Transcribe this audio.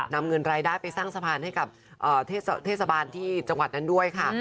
นำเงินรายได้ไปสร้างสะพานให้กับเทศบาลที่จังหวัดนั้นด้วยค่ะ